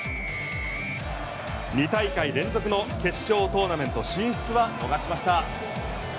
２大会連続の決勝トーナメント進出は逃しました。